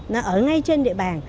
nó ở ngay trên địa bàn